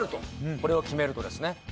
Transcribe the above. これを決めるとですね。